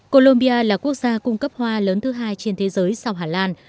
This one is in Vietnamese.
colombia là quốc gia cung cấp hoa lớn thứ hai trên thế giới sau hà lan